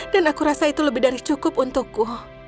dan aku rasa itu lebih dari cukup untukku